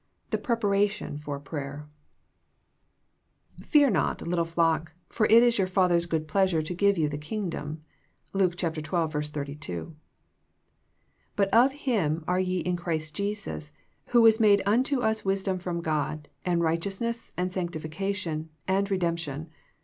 THE PREPARATION FOR PRAYER Fear not, little flock ; for it is your Father* s good pleasure to give you the Kingdom." — Luke 12 : 32. '' But of Him are ye in Christ Jesus, who was made unto us wis dom from God, and righteousness and sanctificaiion, and redemp tion."